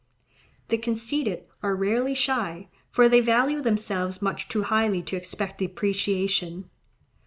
The conceited are rarely shy; for they value themselves much too highly to expect depreciation.